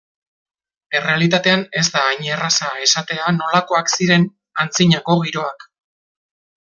Errealitatean ez da hain erraza esatea nolakoak ziren antzinako giroak.